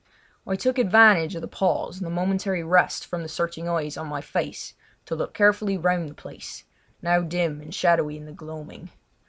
I took advantage of the pause and the momentary rest from the searching eyes on my face to look carefully round the place, now dim and shadowy in the gloaming.